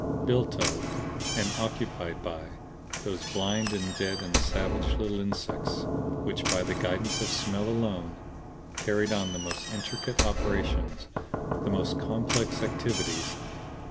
Built of and occupied by those blind and deaf and savage little insects which by the guidance of smell alone carried on the most intricate operations, the most complex activities.